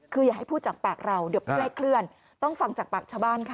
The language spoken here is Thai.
คืออย่าให้พูดจากปากเราเดี๋ยวใกล้เคลื่อนต้องฟังจากปากชาวบ้านค่ะ